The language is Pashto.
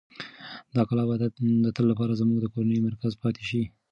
دا کلا به د تل لپاره زموږ د کورنۍ مرکز پاتې شي.